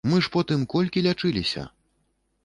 Мы ж потым колькі лячыліся!